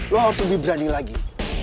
lo harus lebih berani lagi